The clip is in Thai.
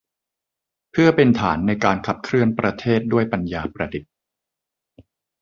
เพื่อเป็นฐานในการขับเคลื่อนประเทศด้วยปัญญาประดิษฐ์